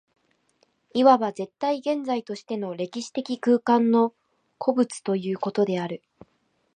いわば絶対現在としての歴史的空間の個物ということである。